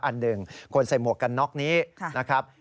อันหนึ่งคนใส่หมวกกันน็อกนี้นะครับ